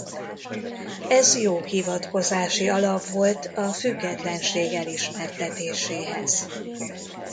Ez jó hivatkozási alap volt a függetlenség elismertetéséhez.